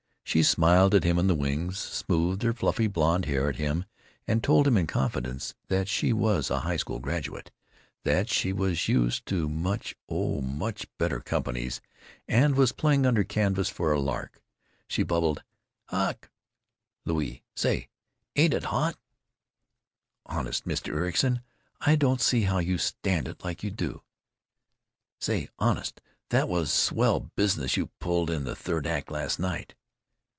She smiled at him in the wings, smoothed her fluffy blond hair at him, and told him in confidence that she was a high school graduate, that she was used to much, oh, much better companies, and was playing under canvas for a lark. She bubbled: "Ach, Louie, say, ain't it hot! Honest, Mr. Ericson, I don't see how you stand it like you do.... Say, honest, that was swell business you pulled in the third act last night....